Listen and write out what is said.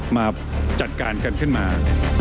มาจัดการกันขึ้นมา